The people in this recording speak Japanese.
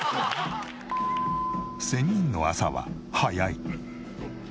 仙人の朝は早い。